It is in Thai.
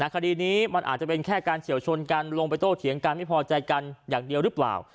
คดีนี้มันอาจจะเป็นแค่การเฉียวชนกันลงไปโต้เถียงกันไม่พอใจกันอย่างเดียวหรือเปล่า